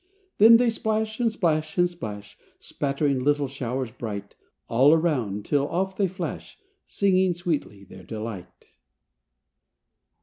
Then they splash and splash and splash, Spattering little showers bright All around, till off they flash Singing sweetly their delight.